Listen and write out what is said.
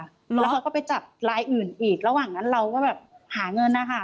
แล้วเขาก็ไปจับรายอื่นอีกระหว่างนั้นเราก็แบบหาเงินนะคะ